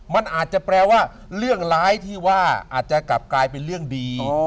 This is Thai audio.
มันอาจจะแปลว่าเรื่องร้ายที่ว่าอาจจะกลับกลายเป็นเรื่องดี